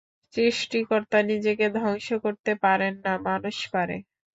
সৃস্টিকর্তা নিজেকে ধ্বংস করতে পারেন না-মানুষ পারে।